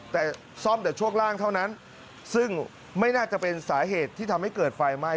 แต่ซ่อมแต่ช่วงล่างเท่านั้นซึ่งไม่น่าจะเป็นสาเหตุที่ทำให้เกิดไฟไหม้